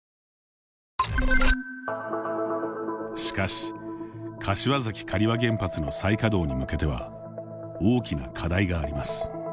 しかし、柏崎刈羽原発の再稼働に向けては大きな課題があります。